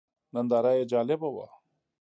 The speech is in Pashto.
ننداره یې جالبه وه.